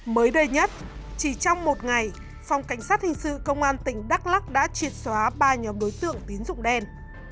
mới đây nhất chỉ trong một ngày phòng cảnh sát hình sự công an tỉnh đắk lắc đã triệt xóa ba nhóm đối tượng tín dụng đen